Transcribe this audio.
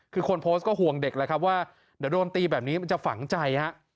คือคนโพสต์ก็ห่วงเด็กแล้วครับว่าเดี๋ยวโดนตีแบบนี้มันจะฝังใจฮะ